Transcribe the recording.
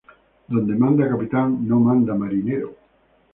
Donde manda capitán, no manda marinero